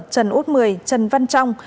trần út mười trần văn trong